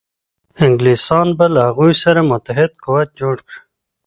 انګلیسیان به له هغوی سره متحد قوت جوړ کړي.